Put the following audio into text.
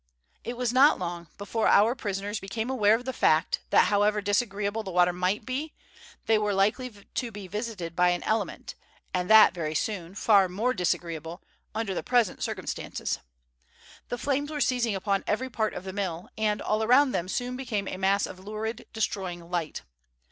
It was not long before our prisoners became aware of the fact that, however disagreeable the water might be, they were likely to be visited by an element, and that very soon, far more disagreeable, under the present circumstances. The flames were seizing upon every part of the mill, and all around them soon became a mass of lurid, destroying light.